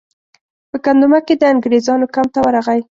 په ګندمک کې د انګریزانو کمپ ته ورغی.